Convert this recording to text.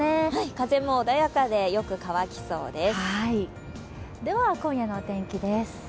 風も穏やかで、よく乾きそうです